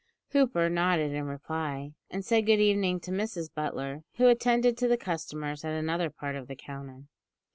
Hooper nodded in reply, and said good evening to Mrs Butler, who attended to the customers at another part of the counter.